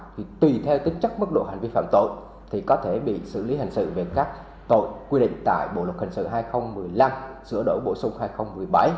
thì tùy theo tính chất mức độ hành vi phạm tội thì có thể bị xử lý hành sự về các tội quy định tại bộ luật hình sự hai nghìn một mươi năm sửa đổi bổ sung hai nghìn một mươi bảy